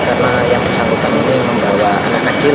karena yang bersambungkan ini membawa anak kecil